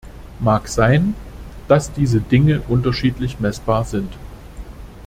Mag sein, dass diese Dinge unterschiedlich meßbar sind.